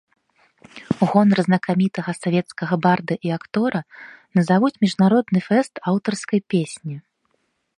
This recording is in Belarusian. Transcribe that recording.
У гонар знакамітага савецкага барда і актора назавуць міжнародны фэст аўтарскай песні.